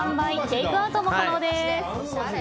テイクアウトも可能です。